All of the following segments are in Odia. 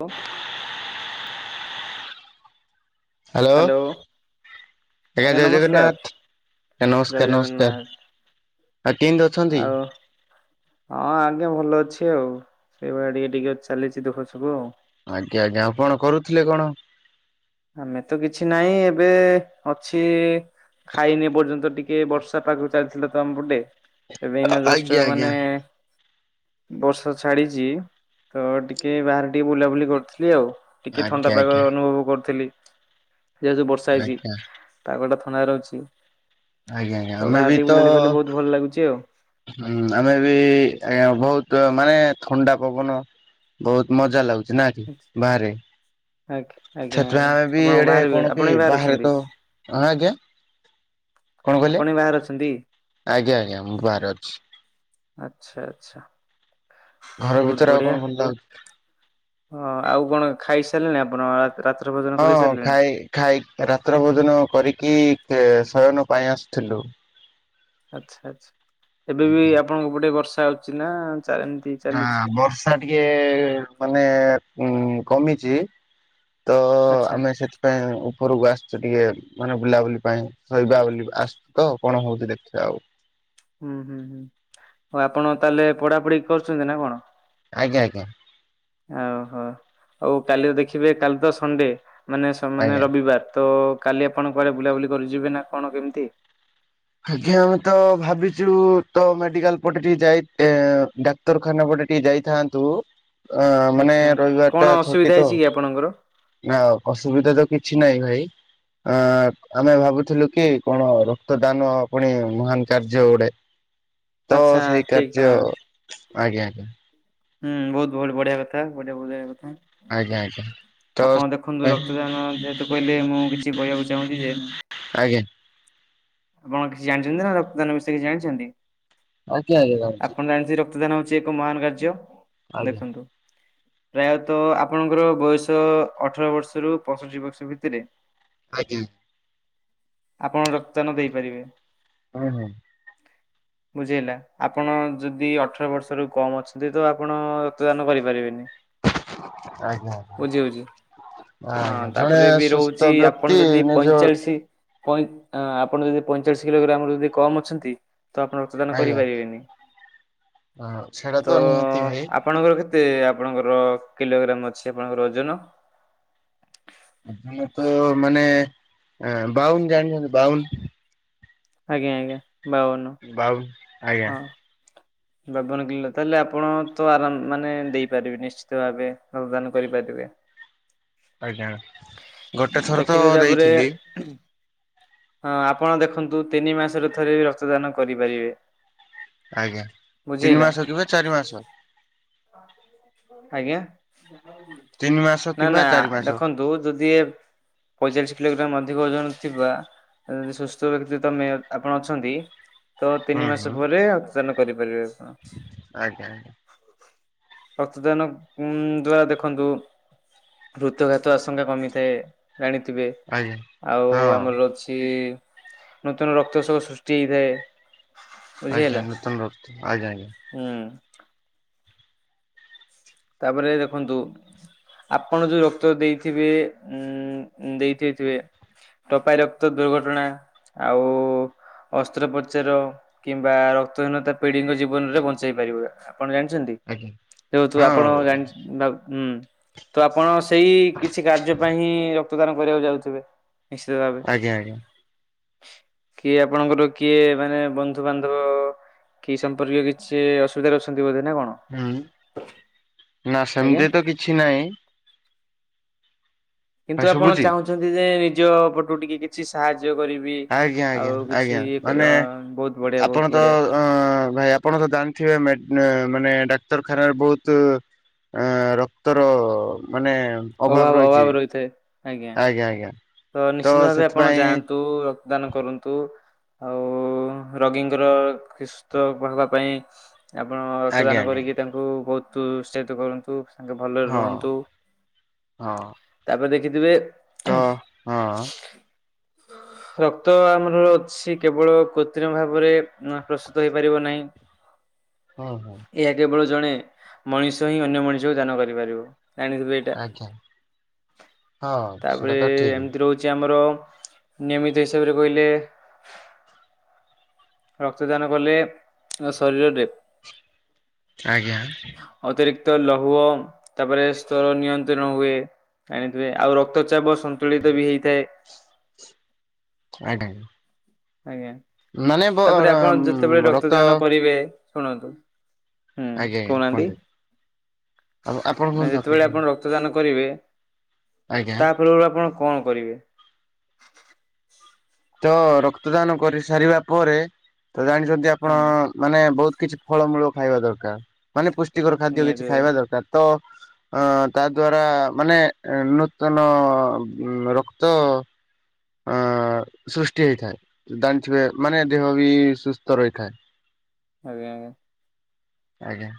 ହ ହାଲୋ ହ୍ୟାଲୋ ଆଜ୍ଞା ଆଜ୍ଞା ଜୟ ନମସ୍କାର ଜଗନ୍ନାଥ, ଜୟ ନମସ୍କାର ଜଗନ୍ନାଥ ନମସ୍କାର, ଆ ତିନି ଅଛ ଆଉ ହଁ ଆଜ୍ଞା ଭଲ ଅଛି ଆଉ, ସେଇଭଳିଆ ଟିକେ ଟିକେ ଚାଲିଛି ଦୁଃଖ ସୁଖୁ ଆଉ ଆଜ୍ଞା ଆଜ୍ଞା, ଆପଣ କରୁଥିଲେ କଣ? ଆମେ ତ କିଛି ନାହିଁ ଏବେ ଅଛି। ଖାଇନି ଏ ପର୍ଯ୍ୟନ୍ତ, ଟିକେ ବର୍ଷା ପାଖକୁ ଚାଲିଥିଲା ତ ଆମ ପଟେ ଏ ବିନା ଆଜ୍ଞା ଦୋଷ୍ଟ ଆଜ୍ଞା ମାନେ ବର୍ଷା ଛାଡିଛି, ତ ଟିକେ ବାହାରେ ଟିକେ ବୁଲାବୁଲି କରୁଥିଲି ଆଉ ଟିକେ ଆଜ୍ଞା ଥଣ୍ଡା ପାଗ ଆଜ୍ଞା ଅନୁଭବ କରୁଥିଲି, [unintelligible] ବର୍ଷା ହେଇଛି। ଆଜ୍ଞା ଆଜ୍ଞା ପାଗଟା ଥଣ୍ଡା ରହୁଛି ଆଜ୍ଞା ତ ଆମେ ବି ତ ବାହାରଟିକେ ବୁଲାବୁଲି କଲେ ବହୁତ ଭଲ ଲାଗୁଛି ଆଉ ହୁଁ ଆମେ ବି ବହୁତ ମାନେ ଥଣ୍ଡା ପବନ ବହୁତ ମଜା ଲାଗୁଛି ନା କି ବାହାରେ। ଆ ଆଜ୍ଞା, ସେଥିପାଇଁ ଆଜ୍ଞା, ଆମେ ବି ଆପଣ ଏଡେ କଣ ବାହାରିବେ, କି ଆପଣ ବି ବାହାରେ ତ ଅଛନ୍ତି। ହଁ ଆଜ୍ଞା କଣ କହିଲେ ଆପଣ ବି ବାହାରେ ଅଛନ୍ତି? ଆଜ୍ଞା ଆଜ୍ଞା ମୁଁ ବାହାରେ ଅଛି। ଆଛା ଆଛା ଘର ଭିତରେ ଆଉ କଣ ଭଲ ଲାଗୁଛି ହଁ ଆଉ କଣ ଖାଇସାରିଲେଣି ଆପଣ? ରାତ୍ର ହଁ କରିସାରିଲେଣି? ଖାଇ ଖାଇ, ରାତ୍ର ଭୋଜନ କରିକି ଶୟନ ପାଇଁ ଆସିଥିଲୁ। ଆଚ୍ଛା ଆଛା ଏବେ ବି ଆପଣଙ୍କ ପଟେ ବର୍ଷା ହଉଛି ନା ଚ ଏମିତି ହଁ ଚାଲିଛି? ବର୍ଷା ହୁଁ। ଟିକେ ମାନେ ଉଁ କମିଛି। ତ ଆଚ୍ଛା ଆମେ ସେଠି ପାଇଁ ଉପରକୁ ଆସୁଛୁ ଟିକେ ମାନେ ବୁଲାବୁଲି ପାଇଁ ଶୋଇବା ବୁଲିବା ଆସୁ ତ କଣ ହଉଛି ଦେଖିବା ଆଉ। ହୁଁ ହୁଁ ହୁଁ ଆଉ ଆପଣ ତାହେଲେ ପଢାପଢି କରୁଛନ୍ତି ନା କଣ? ଆଜ୍ଞା ଆଜ୍ଞା। ଓହୋ ଆଉ କାଲି ଦେଖିବେ କାଲି ତ ସଣ୍ଡେ। ମାନେ ମାନେ ଆଜ୍ଞା ରବିବାର ତ କାଲି ଆପଣ କୁଆଡେ ବୁଲାବୁଲି କରିଯିବେ ନା କଣ କେମିତି ଆଜ୍ଞା ଆମେ ତ ଭାବିଛୁ ତ ମେଡିକାଲ ପଟେ ଟିକେ ଯାଇ ଡ଼ା ଡାକ୍ତର ଖାନା ପଟେ ଟିକେ ଯାଇଥାନ୍ତୁ ଅ ମାନେ ଆଚ୍ଛା ରବିବାର କଣ ଟା ଅସୁବିଧା ଛୁଟି ତ। ହେଇଛି କି ଆପଣଙ୍କର? ନା ଅସୁବିଧା ତ କିଛି ନାଇଁ ଭାଇ ଅ-ଆମେ ଭାବୁଥିଲୁ କି କଣ ରକ୍ତ ଦାନ ପୁଣି ମହାନ କାର୍ଯ୍ୟ ଗୋଟେ ତ ଆଚ୍ଛା ସେଇ ଠିକ କାର୍ଯ୍ୟ ହଁ। ଆଜ୍ଞା ଆଜ୍ଞା। ହୁଁ ବହୁତ ବହୁତ ବଢିଆ କଥା ବଢିଆ ବହୁତ କଥା। ଆଜ୍ଞା ଆଜ୍ଞା। ତ ଆପଣ ଦେଖନ୍ତୁ ରକ୍ତଦାନ ଯେହେତୁ କହିଲେ ମୁଁ କିଛି କହିବାକୁ ଚାହୁଁଛି ଯେ [inaudible] ଆଜ୍ଞା। ଆପଣ କିଛି ଜାଣିଛନ୍ତି ନା ରକ୍ତଦାନ ବିଷୟ ରେ କିଛି ଜାଣିଛନ୍ତି ଆଜ୍ଞା ଜାଣିଛି ଆପଣ ଜାଣିଥି ଦାନ ହଉଛି ଏକ ମହାନ କାର୍ଯ୍ୟ ଆଜ୍ଞା। ଦେଖନ୍ତୁ ପ୍ରାୟତଃ ଆପଣଙ୍କର ବୟସ ତ ଅଠର ବର୍ଷ ରୁ ପଞ୍ଚଷଠି ବର୍ଷ ଭିତରେ ଆଜ୍ଞା। ଆପଣ ରକ୍ତଦାନ ଦେଇପାରିବେ। ହୁଁ ହୁଁ। ବୁଝିହେଲା ଆପଣ ଯଦି ଅଠର ବର୍ଷରୁ କମ୍ ଅଛନ୍ତି ତ ଆପଣ ରକ୍ତଦାନ କରିପାରିବେନି। ଆଜ୍ଞା। ବୁଝି ହଉଛି ହଁ ଆଜ୍ଞା ଜଣେ ତାପରେ ବି ସୁସ୍ଥ ରହୁଛି ବ୍ୟକ୍ତି ଆପଣ ଯଦି ନିଜ ପଇଁଚାଳିଶ ଆପଣ ଯଦି ପଇଁଚାଳିଶ କିଲୋଗ୍ରାମ ରୁ ଯଦି କମ୍ ଅଛନ୍ତି ତ ଆପଣ ରକ୍ତଦାନ ଆଜ୍ଞା କରିପାରିବେନି ହଁ ସେଇଟା ତ ନିହାତି ଆପ ଭାଇ ଆପଣଙ୍କର କେତେ ଆପଣଙ୍କର କିଲୋଗ୍ରାମ୍ ଅଛି ଆପଣଙ୍କର ଓଜନ? ତ ମାନେ ବାଉନ ଜାଣିଛନ୍ତି ବାଉନ ଆଜ୍ଞା ଆଜ୍ଞା ବାଉନ। ବାଉନ ଆଜ୍ଞା। ହଁ। ବାବନ କିଲୋ ତାହେଲେ ଆପଣ ତ ଆରାମ ମାନେ ଦେଇପାରିବେ ନିଶ୍ଚିତ ଭାବେ ରକ୍ତଦାନ କରିପାରିବେ। ଆଜ୍ଞା ଗୋଟେ ଥର ତ ଦେଖିବେ ତାପରେ ଦେଇଥିଲି ହଁ ଆପଣ ଦେଖନ୍ତୁ ତିନି ମାସରେ ଥରେ ବି ରକ୍ତଦାନ କରିପାରିବେ। ଆଜ୍ଞା ତିନି ବୁଝିହେଲା ମାସ କିବା ଚାରି ମାସ ଆଜ୍ଞା ତିନି ମାସ ନା କିମ୍ବା ନା ଚାରି ମାସ ଦେଖନ୍ତୁ ଯଦି ପଇଁଚାଳିଶ କିଲୋଗ୍ରାମ ଅଧିକ ଓଜନ ଥିବା ଯଦି ସୁସ୍ଥ ବ୍ୟକ୍ତି ତମେ ଆପଣ ଅଛନ୍ତି ତ ହୁଁ ତିନି ମାସ ହୁଁ ପରେ ଦାନ କରିପାରିବେ। ଆପଣ। ଆଜ୍ଞା ଆଜ୍ଞା। ରକ୍ତଦାନ ଉଁ ଦ୍ଵାରା ଦେଖନ୍ତୁ ହୃତୁଘାତ ଆଶଙ୍କା କମିଥାଏ ଜାଣିଥିବେ ଆଜ୍ଞା। ଆଉ ହଁ ଆମର ଅ କି ନୂତନ ରକ୍ତସବୁ ସୃଷ୍ଟି ହୁଏ। ଆଜ୍ଞା ନୂତନ ର ଆଜ୍ଞା ଆଜ୍ଞା। ହୁଁ। ତାପରେ ଦେଖନ୍ତୁ ଆପଣ ଯୋଉ ରକ୍ତ ଦେଇଥିବେ ଉ ଦେଇଦେଇଥିବେ ଟପାଇ ରକ୍ତ ଦୁର୍ଘଟଣା ଆଉ ଅସ୍ତ୍ରୋପଚାର କିମ୍ବା ରକ୍ତହୀନତା ପିଢ଼ିଙ୍କ ଜୀବନରେ ବଞ୍ଚାଇ ପାରିବ ଆପଣ ଜାଣିଛନ୍ତି। ଆଜ୍ଞା ତୁ ଆପଣ ହଁ ଜାଣିଛ ହୁଁ ତ ଆପଣ ସେଇ କିଛି କାର୍ଯ୍ୟ ପାଇଁ ହିଁ ରକ୍ତଦାନ କରିବାକୁ ଯାଉଥିବେ। ନିଶ୍ଚିତ ଭାବେ। ଆଜ୍ଞା ଆଜ୍ଞା। କିଏ ଆପଣଙ୍କର କିଏ ମାନେ ବନ୍ଧୁ ବାନ୍ଧବ? କି ସମ୍ପର୍କୀୟ କିଛି ଅସୁବିଧାରେ ଅଛନ୍ତି ବୋଧେ ନା କଣ? ହୁଁ ନା ଆଜ୍ଞା ସେମିତି ତ କିଛି ନାହିଁ। ଭାଇ କିନ୍ତୁ ଆପଣ ଶୁଭୁଛି? ଚାହୁଁଛନ୍ତି ଯେ ନିଜ ପଟୁ ଟିକେ କିଛି ସାହାଯ୍ୟ କରିବେ। ଆଜ୍ଞା ଆଜ୍ଞା ଆଜ୍ଞା ମାନେ ବହୁତ ବଢିଆ ବହୁତ ଆପଣ ତ ବଢିଆ ଅ ଭାଇ ଆପଣ ତ ଜାଣିଥିବେ ମାନେ ଡାକ୍ତରଖାନାରେ ବହୁତ ଏ ରକ୍ତର ମାନେ ଅଭାବ ଅଭାବ ରହିଥାଏ ଆଜ୍ଞା। ଆଜ୍ଞା ଆଜ୍ଞା। ତ ନିଶ୍ଚିନ୍ତ ଭାବେ ଆପଣ ଯାଆନ୍ତୁ ରକ୍ତଦାନ କରନ୍ତୁ। ଆଉ ରଗୀଙ୍କର ସୁସ୍ଥ ହବା ପାଇଁ ଆପଣ ଆଜ୍ଞା ରକ୍ତଦାନ ଆଜ୍ଞା କରିକି ତାଙ୍କୁ ବହୁତ ଉତ୍ସାହିତ କରନ୍ତୁ। ତାଙ୍କେ ଭଲରେ ହଁ ରୁହନ୍ତୁ ହଁ ତାପରେ ଦେଖିଥିବେ ତ ହଁ। ରକ୍ତ ଆମର ଅଛି କେବଳ କୃତ୍ରିମ ଭାବରେ ପ୍ରସ୍ତୁତ ହେଇପାରିବ ନାହିଁ। ହଁ। ହଁ ଏହା କେବଳ ଜଣେ ମଣିଷ ହିଁ ଅନ୍ୟ ମଣିଷକୁ ଦାନ କରିପାରିବ ଜାଣିଥିବେ। ତା ଆଜ୍ଞା ହଁ ସେଟା ତାପରେ ତ ଠିକ ଏମିତି ରହୁଛି ଆମର ନିୟମିତ ହିସାବରେ କହିଲେ। ରକ୍ତଦାନ କଲେ ଶରୀରରେ ଆଜ୍ଞା। ଅତିରିକ୍ତ ଲହ୍ୱ ତାପରେ ସ୍ତର ନିୟନ୍ତ୍ରଣ ହୁଏ। ଆଣିଥିବେ ଆଉ ରକ୍ତ ଚାପ ସନ୍ତୁଳିତ ବି ହେଇଥାଏ। ଆଜ୍ଞା। ଆଜ୍ଞା ମାନେ ବ ତାପରେ ର ଆପଣ ଯେତେବେଳେ ରକ୍ତ ରକ୍ତଦାନ କରିବେ ଶୁଣନ୍ତୁ ହୁଁ ଆଜ୍ଞା ଆଜ୍ଞା କହୁନାହାନ୍ତି କୁହନ୍ତୁ ଆପଣ କୁହନ୍ତୁ ଯେତେବେଳେ କୁହନ୍ତୁ ଆପଣ ରକ୍ତଦାନ କରିବେ। ଆଜ୍ଞା [unintelligible] ଆପଣ କଣ କରିବେ? ତ ରକ୍ତଦାନ କରି ସାରିବା ପରେ ତ ଜାଣିଛନ୍ତି ହୁଁ ଆପଣ ମାନେ ବହୁତ କିଛି ଫଳମୂଳ ଖାଇବା ଦରକାର। ମାନେ ପୁଷ୍ଟିକର ଖାଦ୍ୟ କିଛି ନିହାତି ଖାଇବା ଦରକାର ତ ଅ ତା ଦ୍ଵାରା ମାନେ ନୂତନ ରକ୍ତ ଅ [inaudible] ସୃଷ୍ଟି ହେଇଥାଏ ଜାଣିଥିବେ ମାନେ ଦେହ ବି ସୁସ୍ଥ ରହିଥାଏ। ଆଜ୍ଞା। ଆଜ୍ଞା।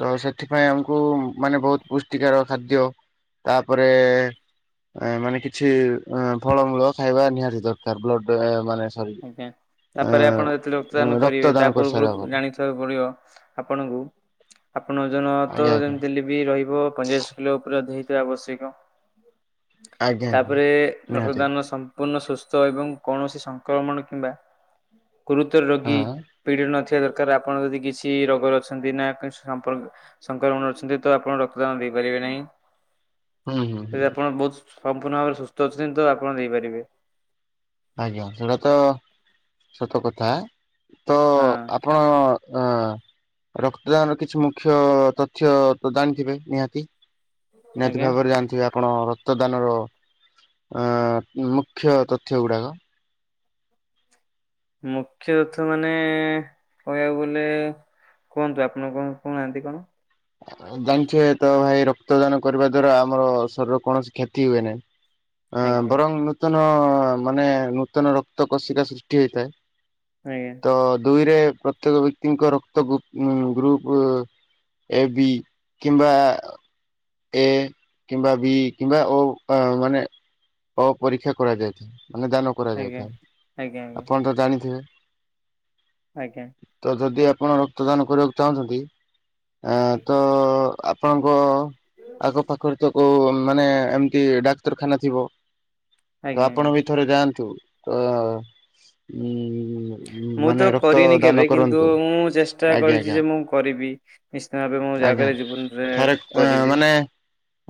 ତ ସେଥିପାଇଁ ଆମକୁ ମାନେ ବହୁତ ପୁଷ୍ଟିକାର ଖାଦ୍ୟ ତାପରେ ମାନେ କିଛି ଅ ଫଳମୂଳ ଖାଇବା ନିହାତି ଦର କାର୍ ବ୍ଲଡ ଦେହ ମାନେ ସରି ଆଜ୍ଞା ଅ ତାପରେ ଆପଣ ଯେତେବେଳେ ରକ୍ତଦାନ କରିବେ ତା କରିସାରିବା ପରେ। ପୂର୍ବରୁ ଜାଣି ରଖିବାକୁ ପଡ଼ିବ ଆପଣଙ୍କୁ ଆପଣ ଜନ ତ ଆଜ୍ଞା ଆଜ୍ଞା ଯେମତି ଲିପ୍ ବି ରହିବ ପଇଁଚାଳିଶ କିଲୋ ଉପରେ ହେଇଥିବା ଆବଶ୍ୟକ। ଆଜ୍ଞା ଆଜ୍ଞା ତାପରେ ରକ୍ତ ନିହାତି ଦାନ ସ ସମ୍ପୂର୍ଣ୍ଣ ସୁସ୍ଥ ଏବଂ କୌଣସି ସଂକ୍ରମଣ କିମ୍ବା ଗୁରୁତର ରୋଗୀ ହଁ ପିଡ଼ି ନଥିବା ଦରକାର। ଆପଣ ଯଦି କିଛି ରୋଗରେ ଅଛନ୍ତି ନା କିଛି ସମ୍ପର୍କ ସଂକ୍ରମଣ ଅଛନ୍ତି ତ ଆପଣ ରକ୍ତଦାନ ଦେଇପାରିବେ ନାହିଁ। ହୁଁ ହୁଁ ଯଦି ହୁଁ ଆପଣ ବହୁତ୍ ସମ୍ପୂର୍ଣ୍ଣ ଭାବରେ ସୁସ୍ଥ ଅଛନ୍ତି ତ ଆପଣ ଦେଇପାରିବେ। ଆଜ୍ଞା ସେଇଟା ତ ସତ କଥା। ତ ହଁ ଆପ୍ ପଣ ଅଁ ରକ୍ତଦାନର କିଛି ମୁଖ୍ୟ ତଥ୍ୟ ତ ଜାଣିଥିବେ ନିହାତି। ନିହାତି ଆଜ୍ଞା। ଭାବରେ ଜାଣିଥିବେ ଆପଣ ରକ୍ତଦାନର ଆଁ ମୁଖ୍ୟ ତତ୍ ଥ୍ୟଗୁଡାକ। ମୁଖ୍ୟ ତଥ୍ୟ ମାନେ କହିବାକୁ ଗଲେ କୁହନ୍ତୁ ଆପଣ କଣ କହୁନାହାନ୍ତି କଣ? ଆ-ଆ ଜାଣିଥିବେ ତ ଭାଇ ରକ୍ତଦାନ କରିବା ଦ୍ଵାରା ଆମର ଶରୀରର କୌଣସି କ୍ଷତି ହୁଏ ନାହିଁ। ଅ ଆଜ୍ଞା ବରଂ ନୂତନ ମାନେ ନୂତନ ରକ୍ତ କୋଷିକା ସୃଷ୍ଟି ହେଇଥାଏ। ଆଜ୍ଞା। ତ ଦୁଇରେ ପ୍ରତ୍ୟେକ ବ୍ୟକ୍ତିଙ୍କ ରକ୍ତ ଗୁ ଉଁ ଗ୍ରୁପ ଏ ବି କିମ୍ବା ଏ କିମ୍ବା ବି କିମ୍ବା ଓ ଆଁ ମାନେ ଓ ପରୀକ୍ଷା କରାଯାଇଥାଏ ମାନେ ଦାନ ଆଜ୍ଞା କରାଯାଇଥାଏ। ଆଜ୍ଞା ଆପଣ ତ ଜାଣିଥିବେ? ଆଜ୍ଞା। ତ ଯଦି ଆପଣ ରକ୍ତଦାନ କରିବାକୁ ଚାହୁଁଛନ୍ତି ଆଁ ତ ଆପ୍ ପଣଙ୍କ ଆଖ ପାଖରେ ତ କୋଉ ମାନେ ଏମିତି ଡାକ୍ତରଖାନା ଥିବ, ତ ଆଜ୍ଞା ଆଜ୍ଞା। ଆପଣ ବି ଥରେ ଯାଆନ୍ତୁ ଅଁ ଉଁ ମୁଁ ମାନେ ତ ରକ୍ତ କରିନି ଦାନ କେବେ କିନ୍ତୁ କରନ୍ତୁ ମୁଁ ଚେଷ୍ଟା ଆଜ୍ଞା କରିଛି ଆଜ୍ଞା ଯେ ମୁଁ କରିବି। ନିଶ୍ଚିତ ଭାବେ ମୁଁ ଯାହା ଆଜ୍ଞା କହିଲେ ଜୀବନରେ ଥରେ କରିବି। ମାନେ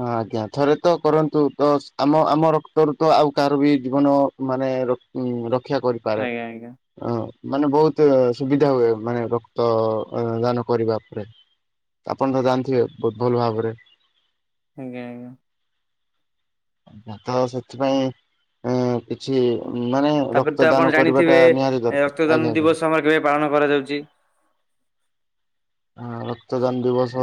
ହଁ ଆଜ୍ଞା ଥରେ ତ କରନ୍ତୁ ତ ସ୍ ଆମ-ଆମ ରକ୍ତରୁ ତ ଆଉ କାହାର ବି ଜୀବନ ମାନେ ର ଉଁ ରକ୍ଷା କରିପାରେ। ଆଜ୍ଞା ଆଜ୍ଞା ଅ ମାନେ ବହୁତ ସୁବିଧା ହୁଏ ମାନେ ରକ୍ତ ଏଁ ଦାନ କରିବା ଉପରେ। ଆପଣ ତ ଜାଣିଥିବେ ବହୁତ ଭଲ ଭାବରେ। ଆଜ୍ଞା ଆଜ୍ଞା। ତ ସେଥିପାଇଁ ଏଁ କିଛି ମାନେ ତାପରେ ତ ଆପଣ ରକ୍ତଦାନ କରିବାଟା ଜାଣିଥିବେ ନିହାତି ଦରକାର। ରକ୍ତଦାନ ଆଜ୍ଞା ଆଜ୍ଞା। ଦିବସ ଆମର କେବେ ପାଳନ କରାଯାଉଛି? ଆଁ ରକ୍ତଦାନ ଦିବସ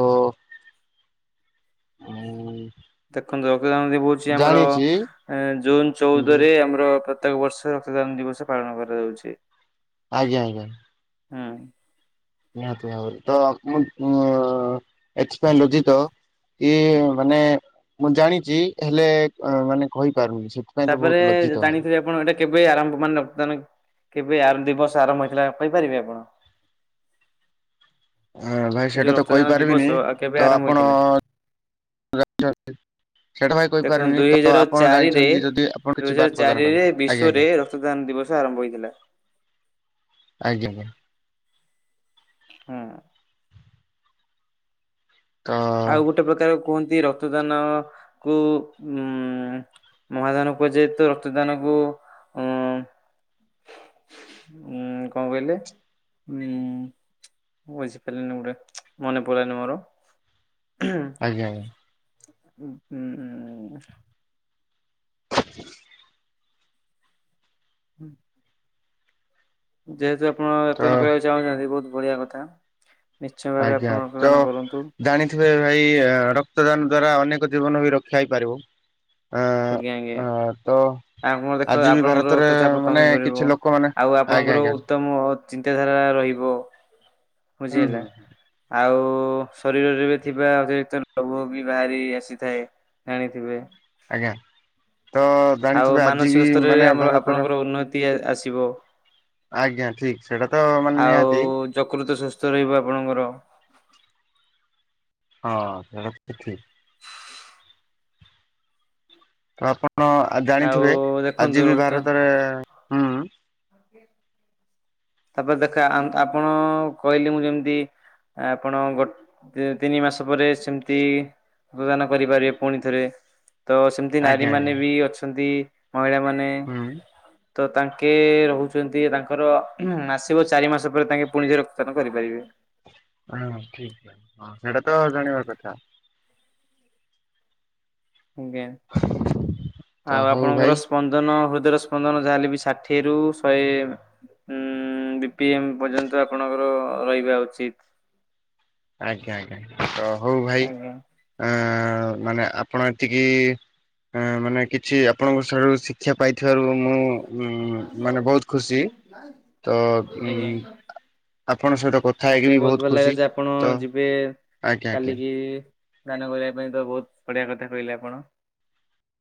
ଦେଖନ୍ତୁ ରକ୍ତଦାନ [unintelligible] ହଉଛି ଆମର ଜାଣିଛି ଏଁ ଜୁନ ଚଉଦରେ ଆମର ପ୍ର ତ୍ୟେକ ବର୍ଷ ରକ୍ତଦାନ ଦିବସ ପାଳନ କରାଯାଉଛି। ଆଜ୍ଞା ଆଜ୍ଞା। ହୁଁ। ନିହାତି ଭାବରେ। ତ ମୁଁ ଉଁ ଏଥିପାଇଁ ଲଜ୍ଜିତ କି ମାନେ ମୁଁ ଜାଣିଛି ହେଲେ ଅଁ ମାନେ କହିପାରୁନି ସେଥ୍ ତା ପରେ ଜା-ଜାଣିଥିବେ ଆପ୍ ପଣ ଏଇଟା କେବେ ଆରମ୍ଭ ମାନେ ରକ୍ତଦାନ କେବେ ଆର୍ ଦିବସ ଆରମ୍ଭ ହେଇଥିଲା କହିପାରିବେ ଆପଣ? ଅଁ ଭାଇ ଏଇ ସେଇଟା ଯୋଉ ତ ରକ୍ତଦାନ ଦିବସ କହିପାରିବିନି ଆଉ କେବେ ତ ଆରମ୍ଭ ଆପଣ ହେଇଥିଲା? ଯଦି ଜାଣିଛନ୍ତି ସେଇଟା ଭାଇ ଦେଖନ୍ତୁ କହିପାରୁନି ଦୁଇ ତ ହଜାର ଆପଣ ଚାରିରେ ଜାଣିଛନ୍ତି ଯଦି ଆପଣ ଦୁଇ କିଛି ହଜାର ବାତ୍। ଚାରିରେ [unintelligible] ଆଜ୍ଞା ବିଶ୍ଵରେ ଆଜ୍ଞା। ରକ୍ତଦାନ ଦିବସ ଆରମ୍ଭ ହୋଇଥିଲା। ଆଜ୍ଞା ଆଜ୍ଞା। ହୁଁ। ଆଜ୍ଞା ତ ଆଉ ଗୋଟେ ପ୍ରକାର କୁହନ୍ତି ରକ୍ତଦାନକୁ ଉଁ ମହାଦାନ କୁହାଯାଏ ତ ରକ୍ତଦାନକୁ ଉଁ ଉଁ କଣ କହିଲେ ଉଁ ବୁଝିପାରିଲିନି ଗୁଡେ ମନେ ପଡିଲାନି ମୋର ଆଜ୍ଞା ଆଜ୍ଞା ଉଁ ଉଁ ଉଁ। ହୁଁ। ଯେହେତୁ ଆପଣ ତ ରକ୍ତଦାନ କରିବାକୁ ଚାହୁଁଛନ୍ତି ବହୁତ ବଢିଆ କଥା। ନିଶ୍ଚୟ ଭାବେ ଆପଣ ରକ୍ତଦାନ କରନ୍ତୁ। ଏଥିପାଇଁ ଭାଇ ଆ ରକ୍ତଦାନ ଦ୍ଵାରା ଅନେକ ଜୀବନ ବି ରକ୍ଷା ହେଇପାରିବ। ଆଜ୍ଞ ଆଜ୍ଞା। ହାଁ ତ ଆପଣ ଦେଖ ଆଜି ବି ଆପଣଙ୍କର ଭାରତରେ ରକ୍ତଚାପ ମାନେ କିଛି କମିପାରିବ ଲୋକମାନେ ଆଉ ଆଜ୍ଞା ଆପଣଙ୍କର ଆଜ୍ଞା ଉତ୍ତମ ଚିନ୍ତାଧାରା ରହିବ ବୁଝି ହୁଁ ହେଲା। ହୁଁ ଆଉ ଶରୀରରେ ବି ଥିବା ଅତିରିକ୍ତ ରୋଗ ବି ବାହାରି ଆସିଥାଏ। ଜଣିଥିବେ। ଆଜ୍ଞା ତ ଆଉ ଜାଣିଥିବେ ଆଜି ବି ମାନସିକ ସ୍ତରରେ ମାନେ ଆମର ଭାରତର ଆପଣଙ୍କର ଉନ୍ନତି ଆ ଆସିବ। ଆଜ୍ଞା ଠିକ। ସେଇଟା ତ ମାନେ ଆଉ ନିହାତି ଯକୃତ ସୁସ୍ଥ ରହିବ ଆପଣଙ୍କର। ହଁ ସେଇଟା ତ ଠିକ। ତ ଆପଣ ଆଉ ଜାଣିଥିବେ ଦେଖନ୍ତୁ ଆଜି ବି ଭାରତରେ ହୁଁ ଆ ତାପରେ ଦେଖା ଆମ୍ ଆପଣ କହିଲେ ମୁଁ ଯେମିତି ଆପଣ ଗୋଟ ତ ତିନି ମାସ ପରେ ସେମିତି ରକ୍ତଦାନ କରିପାରିବେ ପୁଣିଥରେ। ତ ସେମିତି ଆଜ୍ଞା ଆଜ୍ଞା ନାରୀମାନେ ବି ଅଛନ୍ତି ମହିଳାମାନେ ହୁଁ। ତ ତାଙ୍କେ ରହୁଛନ୍ତି ତାଙ୍କର ହୁଁ ଆସିବ ଚାରି ମାସ ପରେ ତାଙ୍କେ ପୁଣିରେ ରକ୍ତଦାନ କରିପାରିବେ। ହଁ ଠିକ [unintelligible] ସେଇଟା ତ ଜାଣିବା କଥା। ଆଜ୍ଞା ତ ଆଉ ହଉ ଭାଇ ଆପଣଙ୍କର ସ୍ପ ସ୍ପନ୍ଦନ ହୃଦୟର ସ୍ପନ୍ଦନ ଯାହା ହେଲେ ବି ଷାଠିଏରୁ ଶହେ ଉଁ ବି ପି ଏମ୍ ପର୍ଯ୍ୟନ୍ତ ଆପଣଙ୍କର ରହିବା ଉଚିତ। ଆଜ୍ଞା ଆଜ୍ଞା ତ ହଉ ଭାଇ ଆଜ୍ଞା ଅ ମାନେ ଆପଣ ଏତିକି ଅ ମାନେ କିଛି ଆପଣଙ୍କ ଠାରୁ ଶିକ୍ଷା ପାଇଥିବାରୁ ମୁଁ ଉଁ ମାନେ ବହୁତ ଖୁସି ତ ଉଁ ଆଜ୍ଞା। ଆପଣଙ୍କ ସହିତ କଥା ମତେ ହେଇକି ବି ଭଲ ବହୁତ ଲାଗିଲା ଖୁସି। ଯେ ଆପଣ ତ ଯିବେ ଆଜ୍ଞା ଆଜ୍ଞା କାଲିକି ଦାନ କରିବା ପାଇଁ ତ ବହୁତ ବଢିଆ କଥା କହିଲେ ଆପଣ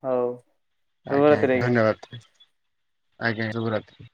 ହଉ। ଆଜ୍ଞା ଆଜ୍ଞା ଧନ୍ୟବାଦ ଆଜ୍ଞା ଶୁଭରାତ୍ରି।